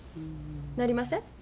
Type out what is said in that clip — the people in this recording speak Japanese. なりません？